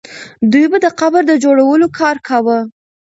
دوی به د قبر د جوړولو کار کاوه.